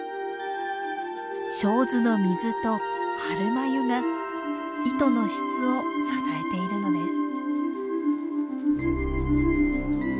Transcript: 清水の水と春繭が糸の質を支えているのです。